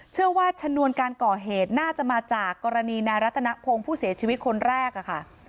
ชนวนการก่อเหตุน่าจะมาจากกรณีนายรัตนพงศ์ผู้เสียชีวิตคนแรกค่ะ